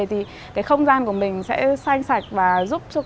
thì cái không gian của mình sẽ xanh sạch